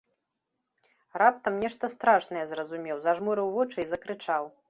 Раптам нешта страшнае зразумеў, зажмурыў вочы і закрычаў.